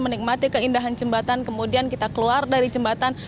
menikmati keindahan jembatan kemudian kita keluar dari jembatan